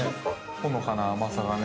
◆ほのかな甘さがね